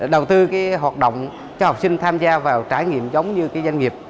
đầu tư hoạt động cho học sinh tham gia vào trải nghiệm giống như doanh nghiệp